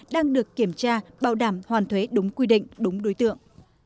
đang được kiểm tra bảo đảm hoàn thuế đúng quy định đúng đối tượng